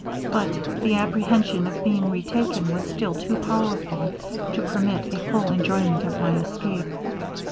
But the apprehension of being retaken was still too powerful to permit a full enjoyment of my escape.